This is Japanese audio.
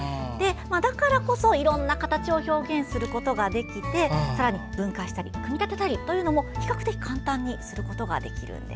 だからこそ、いろんな形を表現することができてさらに分解したり組み立てたりというのも比較的簡単にすることができるんです。